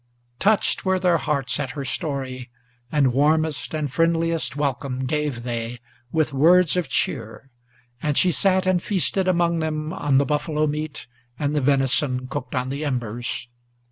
Touched were their hearts at her story, and warmest and friendliest welcome Gave they, with words of cheer, and she sat and feasted among them On the buffalo meat and the venison cooked on the embers.